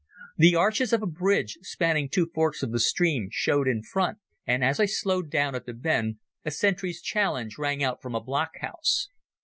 The arches of a bridge, spanning two forks of the stream, showed in front, and as I slowed down at the bend a sentry's challenge rang out from a block house.